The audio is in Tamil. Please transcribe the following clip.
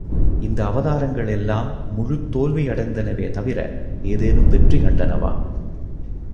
இந்த அவதாரங்கள் எல்லாம் முழுத் தோல்வி அடைந்தனவே தவிர, ஏதேனும் வெற்றி கண்டனவா?